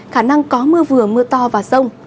khả năng có mưa vừa mưa to và rông